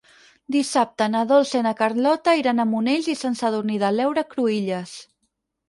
Dissabte na Dolça i na Carlota iran a Monells i Sant Sadurní de l'Heura Cruïlles.